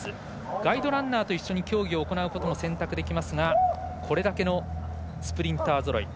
ガイドランナーと一緒に競技を行うこともできますがこれだけのスプリンターぞろい。